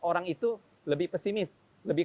orang itu lebih pesimis lebih